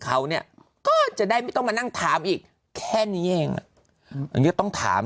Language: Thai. เขาเนี่ยก็จะได้ไม่ต้องมานั่งถามอีกแค่นี้เองอ่ะอันนี้ต้องถาม